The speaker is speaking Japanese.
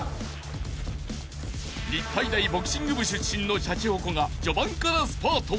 ［日体大ボクシング部出身のシャチホコが序盤からスパート］